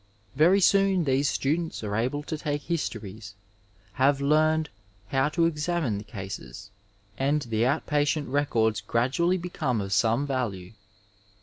Very soon these students are able to take histories, have learned how to examine the cases, and the out patient records gradually become of some value.